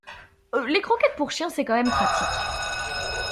Les croquettes pour chien c'est quand même pratique.